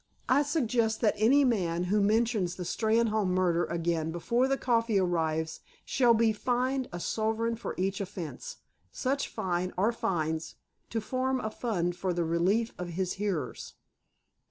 I suggest that any man who mentions the Steynholme murder again before the coffee arrives shall be fined a sovereign for each offense, such fine, or fines, to form a fund for the relief of his hearers.